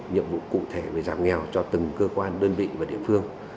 nhiệm vụ cụ thể về giảm nghèo cho từng cơ quan đơn vị và địa phương